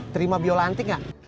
terima biola antik gak